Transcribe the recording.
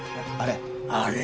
あれ？